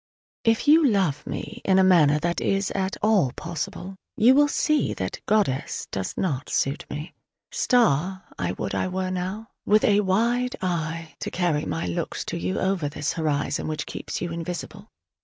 If you love me in a manner that is at all possible, you will see that "goddess" does not suit me. "Star" I would I were now, with a wide eye to carry my looks to you over this horizon which keeps you invisible.